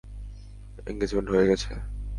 Engagement হয়ে গেছে?